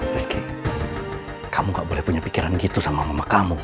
rizky kamu gak boleh punya pikiran gitu sama mama kamu